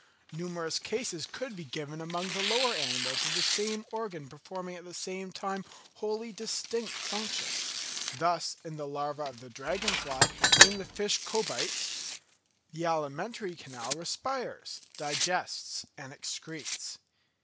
Numerous cases could be given among the lower animals of the same organ performing at the same time wholly distinct functions; thus in the larva of the dragon fly and in the fish Cobites the alimentary canal respires, digests, and excretes.